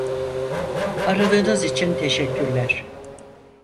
Aradığınız için teşekkürler.